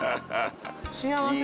幸せ。